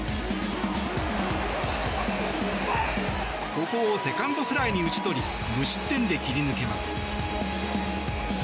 ここをセカンドフライに打ち取り無失点で切り抜けます。